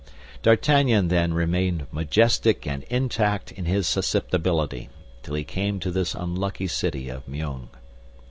D'Artagnan, then, remained majestic and intact in his susceptibility, till he came to this unlucky city of Meung.